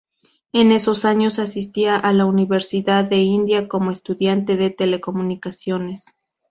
En esos años asistía a la Universidad de Indiana como estudiante de telecomunicaciones.